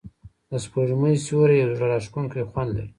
د سپوږمۍ سیوری یو زړه راښکونکی خوند لري.